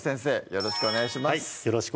よろしくお願いします